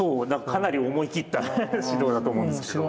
かなり思い切った指導だと思うんですけど。